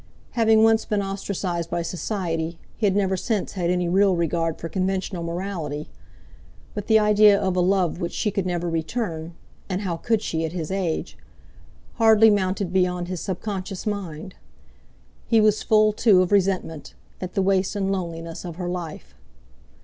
Having once been ostracised by Society, he had never since had any real regard for conventional morality; but the idea of a love which she could never return—and how could she at his age?—hardly mounted beyond his subconscious mind. He was full, too, of resentment, at the waste and loneliness of her life.